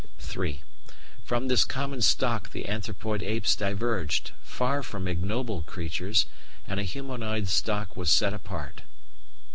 (3) From this common stock the Anthropoid apes diverged, far from ignoble creatures, and a humanoid stock was set apart.